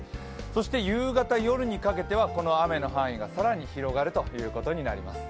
そして夕方、夜にかけてはこの雨の範囲が更に広がることになります。